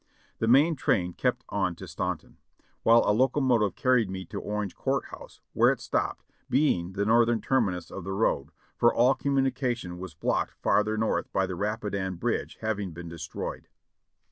The main train kept on to Staunton, while a locomotive carried me to Orange Court House, where it stop ped, being the northern terminus of the road, for all communi cation was blocked farther north by the Rapidan bridge having been destroyed.